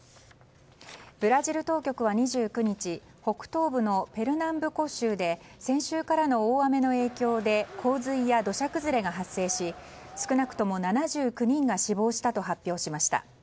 ブラジル当局は２９日北東部のペルナンブコ州で先週からの大雨の影響で洪水や土砂崩れが発生し少なくとも７９人が死亡したと発表しました。